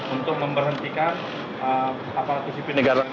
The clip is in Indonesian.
untuk memberhentikan aparatur sifri negara ini